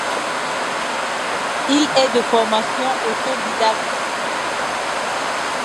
Il est de formation autodidacte.